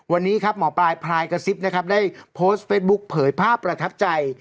วันนี้ครับหมอปลายพลายกระซิบนะครับได้โพสต์เฟสบุ๊คเผยภาพประทับใจ